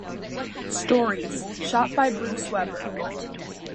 Stories, shot by Bruce Weber.